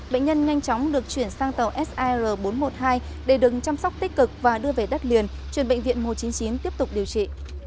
bệnh nhân nhanh chóng được chuyển sang tàu sir bốn trăm một mươi hai để được chăm sóc tích cực và đưa về đất liền chuyển bệnh viện một trăm chín mươi chín tiếp tục điều trị